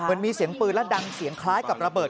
เหมือนมีเสียงปืนและดังเสียงคล้ายกับระเบิด